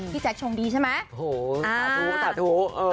แจ๊คชงดีใช่ไหมโอ้โหสาธุสาธุ